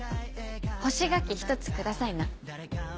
干し柿１つくださいな。